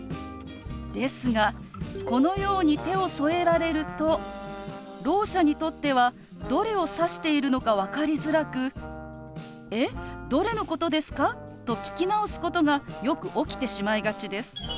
ですがこのように手を添えられるとろう者にとってはどれを指しているのか分かりづらく「えっ？どれのことですか？」と聞き直すことがよく起きてしまいがちです。